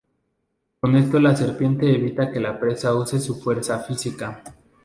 Con esto la serpiente evita que la presa use su fuerza física.